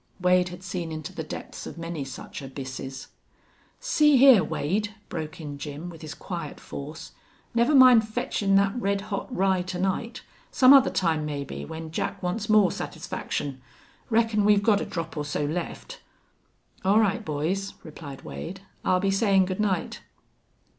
Wade had seen into the depths of many such abysses. "See hyar, Wade," broke in Jim, with his quiet force, "never mind fetchin' thet red hot rye to night. Some other time, mebbe, when Jack wants more satisfaction. Reckon we've got a drop or so left." "All right, boys," replied Wade, "I'll be sayin' good night."